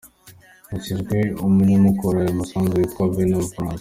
Yanashimiye uwamukoreye ayo masunzu witwa Vernon Francois.